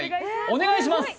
お願いします